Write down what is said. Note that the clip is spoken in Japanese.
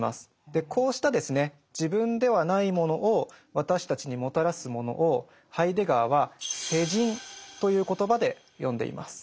でこうしたですね自分ではないものを私たちにもたらすものをハイデガーは「世人」という言葉で呼んでいます。